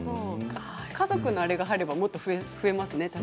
家族のあれが入ればもっと増えますね。